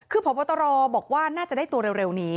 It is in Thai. คือพบตรบอกว่าน่าจะได้ตัวเร็วนี้